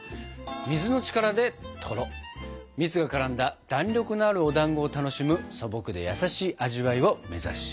蜜が絡んだ弾力のあるおだんごを楽しむ素朴で優しい味わいを目指します！